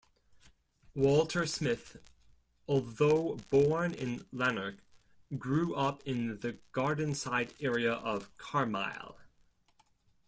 Walter Smith, although born in Lanark, grew up in the Gardenside area of Carmyle.